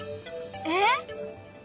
えっ！